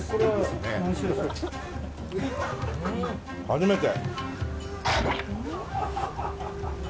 初めて。